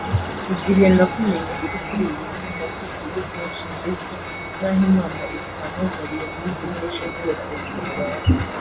Igihe nakumenye uri kuri iyi si nakwigiyeho byinshi ndetse n’aho Imana iguhamagariye nize byinshi kubera urupfu rwawe”